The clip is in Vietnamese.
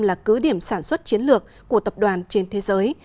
là cứ điểm sản xuất chiến lược của tập đoàn trên thế giới